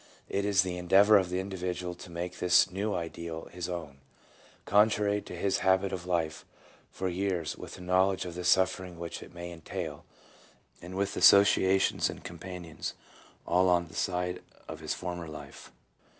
It is the endeavour of the individual to make this new ideal his own, contrary to his habit of life for years, with a knowledge of the suffering which it may entail, and with associations and companions all on the side of his former life.